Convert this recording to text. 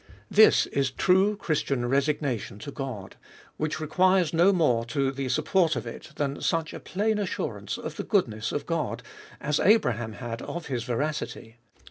This is true Christian resignation to God, which requires no moie to the support of it, than such a plain assurance of tlie goodness of God, as Abraham had of his veracity.